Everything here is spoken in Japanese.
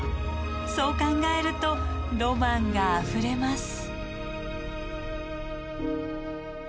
そう考えるとロマンがあふれます。